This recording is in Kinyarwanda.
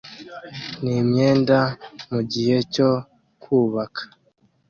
n'imyenda mugihe cyo kubaka